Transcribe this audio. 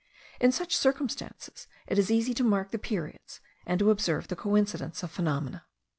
In such circumstances it is easy to mark the periods, and to observe the coincidence of phenomena.